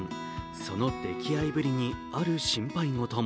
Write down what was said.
その溺愛ぶりにある心配事も。